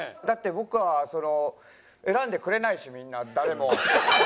だって僕はその選んでくれないしみんな誰も。